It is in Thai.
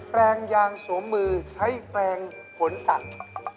แปลงยางสวมมือใช้แปลงขนสัตว์